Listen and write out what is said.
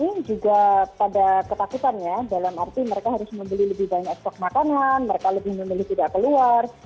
ini juga pada ketakutan ya dalam arti mereka harus membeli lebih banyak stok makanan mereka lebih memilih tidak keluar